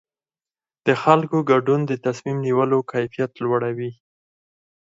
د خلکو ګډون د تصمیم نیولو کیفیت لوړوي